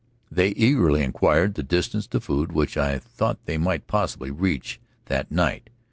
They eagerly inquired the distance to food, which I thought they might possibly reach that night.